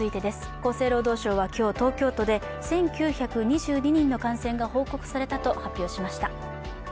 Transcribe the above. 厚生労働省は今日、東京都で１９２２人の感染が報告されたと発表しました。